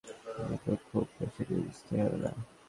তাই শুরু থেকেই আশঙ্কা ছিল, স্থিতিশীলতা খুব বেশি দিন স্থায়ী হবে না।